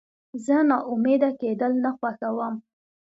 زه ناامیده کېدل نه خوښوم.